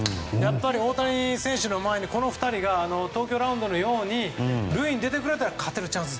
大谷選手の前にこの２人が東京ラウンドのように塁に出てくれたら勝てるチャンス